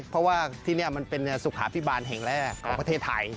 เพราะว่าที่นี่มันเป็นสุขาพิบาลแห่งแรกของประเทศไทย